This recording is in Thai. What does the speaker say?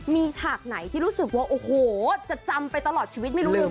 มีฉากไหนที่รู้สึกว่าโอ้โหจะจำไปตลอดชีวิตไม่รู้ลืม